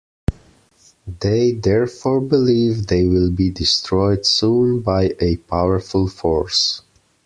They therefore believe they will be destroyed soon by a powerful force.